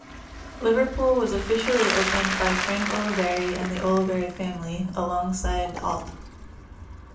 Liverpool was officially opened by Frank Oliveri and the Oliveri Family, alongside Ald.